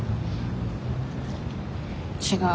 違う。